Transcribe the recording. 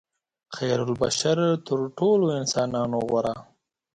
خیرالبشر تر ټولو انسانانو غوره.